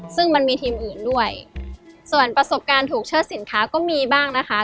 ซึ่งมันมีทีมอื่นด้วยส่วนประสบการณ์ถูกเชิดสินค้าก็มีบ้างนะคะ